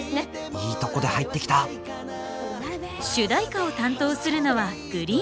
いいとこで入ってきた主題歌を担当するのはＧＲｅｅｅｅＮ。